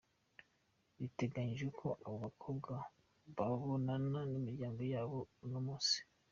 Biteganijwe ko abo bakobwa babonana n'imiryango yabo uno munsi .